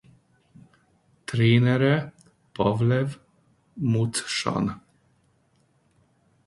Trénere Pavel Mucsan.